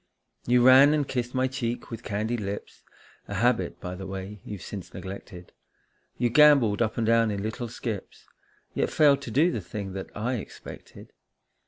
You ran and kissed my cheek with candied lips, A habit, by the way, you've since neglected ; You gambolled up and down in little skips, Yet failed to do the thing that I expected.